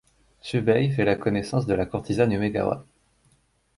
Chubei fait la connaissance de la courtisane Umegawa.